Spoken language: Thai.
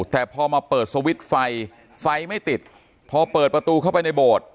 แต่พอมาเปิดสวิตช์ไฟไฟไม่ติดพอเปิดประตูเข้าไปในโบสถ์